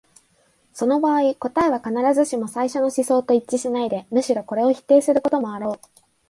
その場合、答えは必ずしも最初の思想と一致しないで、むしろこれを否定することもあろう。